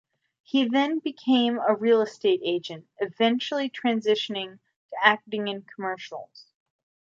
He then became a real estate agent, eventually transitioning to acting in commercials.